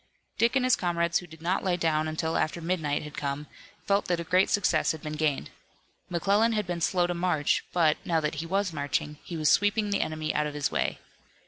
Dick and his comrades who did not lie down until after midnight had come, felt that a great success had been gained. McClellan had been slow to march, but, now that he was marching, he was sweeping the enemy out of his way.